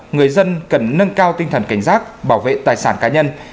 người dân cần nâng cao tinh thần cảnh giác bảo vệ tài sản cá nhân